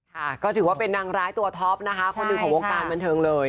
ค่ะก็ถือว่าเป็นนางร้ายตัวท็อปนะคะคนหนึ่งของวงการบันเทิงเลย